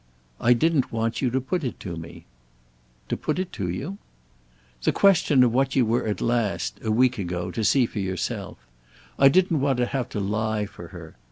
"I didn't want you to put it to me." "To put it to you—?" "The question of what you were at last—a week ago—to see for yourself. I didn't want to have to lie for her.